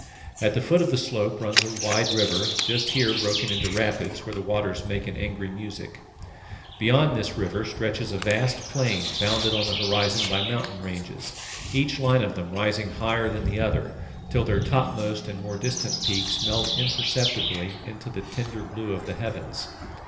At the foot of the slope runs a wide river, just here broken into rapids where the waters make an angry music. Beyond this river stretches a vast plain bounded on the horizon by mountain ranges, each line of them rising higher than the other till their topmost and more distant peaks melt imperceptibly into the tender blue of the heavens.